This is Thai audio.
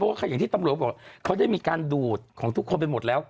เพราะว่าอย่างที่ตำรวจบอกเขาได้มีการดูดของทุกคนไปหมดแล้ว